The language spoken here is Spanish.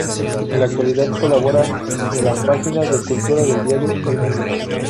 En la actualidad colabora en las páginas de Cultura del diario "El Mundo".